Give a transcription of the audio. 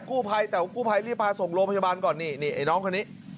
กู้ภัยแต่ว่ากู้ภัยรีบพาส่งโรงพยาบาลก่อนนี่นี่ไอ้น้องคนนี้